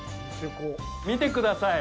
見てください！